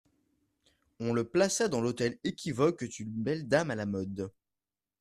On le plaça dans l'hôtel équivoque d'une belle dame à la mode.